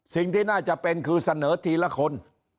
สิ่งที่น่าจะเป็นคือเสนอทีละคน